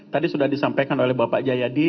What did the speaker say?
tadi sudah disampaikan oleh bapak jayadi